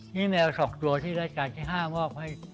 นี่แนว๒ตัวที่รายการที่๕มอบให้